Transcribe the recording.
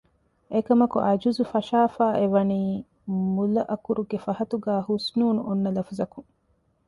އެކަމަކު ޢަޖުޒު ފަށައިފައި އެ ވަނީ މުލައަކުރުގެ ފަހަތުގައި ހުސްނޫނު އޮންނަ ލަފުޒަކުން